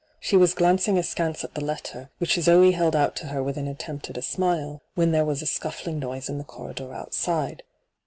She was glancing askance at the letter, which Zoe held out to her with an attempt at a smile, when there was a scuffling noise in the corridor outside.